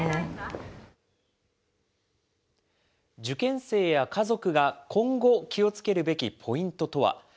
受験生や家族が今後気をつけるべきポイントとは。